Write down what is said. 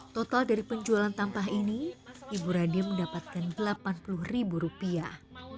total dari penjualan tampah ini ibu radio mendapatkan delapan puluh ribu rupiah